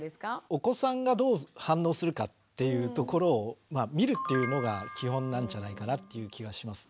お子さんがどう反応するかっていうところを見るっていうのが基本なんじゃないかなっていう気がします。